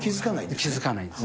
気付かないです。